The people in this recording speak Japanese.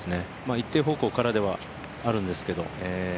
一定方向からではあるんですけど。